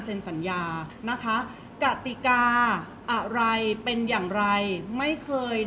เพราะว่าสิ่งเหล่านี้มันเป็นสิ่งที่ไม่มีพยาน